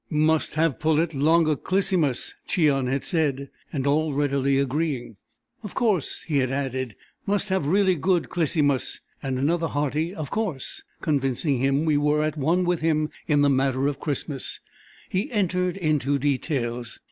"Must have pullet longa Clisymus," Cheon had said, and all readily agreeing, "Of course!" he had added "must have really good Clisymus"; and another hearty "Of course" convincing him we were at one with him in the matter of Christmas, he entered into details.